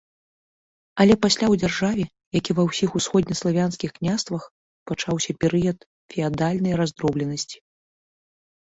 Але пасля ў дзяржаве, як і ва ўсіх усходнеславянскіх княствах, пачаўся перыяд феадальнай раздробленасці.